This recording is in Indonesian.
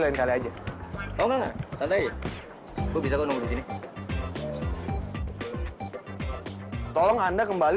lepasin pak randy